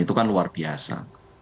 itu kan luar biasa